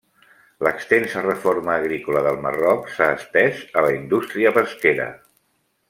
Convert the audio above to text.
L'extensa reforma agrícola del Marroc s'ha estès a la indústria pesquera.